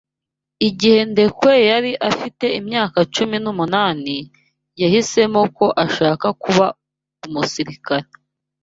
Igihe Ndekwe yari afite imyaka cumi n'umunani, yahisemo ko ashaka kuba umusirikare.